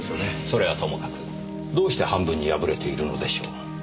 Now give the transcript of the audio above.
それはともかくどうして半分に破れているのでしょう。